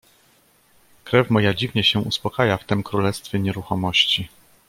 "Krew moja dziwnie się uspokaja w tem królestwie nieruchomości."